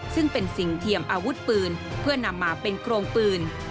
ซึ่งเป็นสิ่งเทียมอาวุธปืนเพื่อนำมาเป็นโครงปืน